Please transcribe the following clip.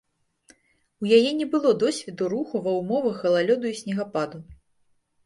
У яе не было досведу руху ва ўмовах галалёду і снегападу.